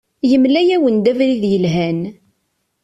Yemla-awen-d abrid yelhan.